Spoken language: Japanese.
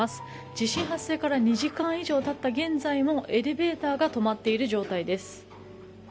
地震発生から２時間以上経った現在でもエレベーターが止まっている状態です。